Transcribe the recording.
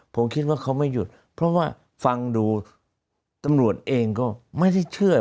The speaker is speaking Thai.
ผมคิดว่าเขาไม่หยุดเพราะว่าฟังดูตำรวจเองก็ไม่ได้เชื่อ